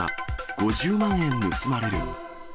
５０万円盗まれる。